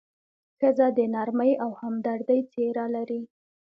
ښځه د نرمۍ او همدردۍ څېره لري.